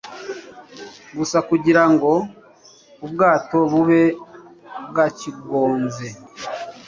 gusa kugira ngo ubwato bube bwakigonze